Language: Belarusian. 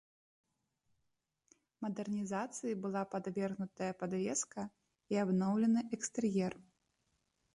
Мадэрнізацыі была падвергнутая падвеска і абноўлены экстэр'ер.